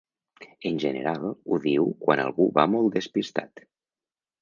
En general, ho diu quan algú va molt despistat.